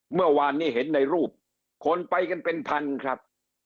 เมื่อวานนี้เห็นในรูปคนไปกันเป็นพันครับ